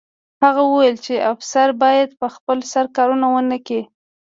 هغه وویل چې افسر باید په خپل سر کار ونه کړي